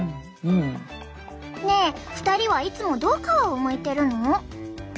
ねえ２人はいつもどう皮をむいてるの？